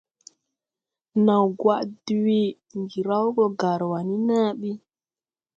Naw gwaʼ dwee, ndi raw go Garua ni na bi.